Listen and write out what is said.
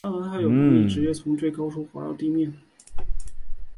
然而它们有能力直接从高处滑行到地面。